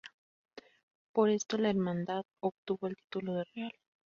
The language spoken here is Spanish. Por esto, la hermandad obtuvo el título de real.